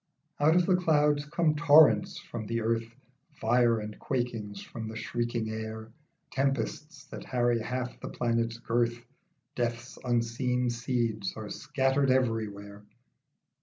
OUT of the clouds come torrents, from the earth Fire and quakings, from the shrieking air Tempests that harry half the planet's girth. Death's unseen seeds are scattered every where.